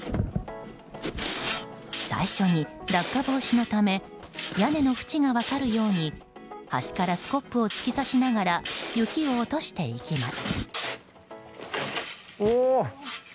最初に落下防止のため屋根のふちが分かるように端からスコップを突き刺しながら雪を落としていきます。